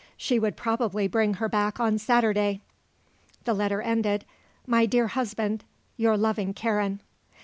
She would probably bring her back on Saturday. The letter ended: "My dear husband, your loving Karen."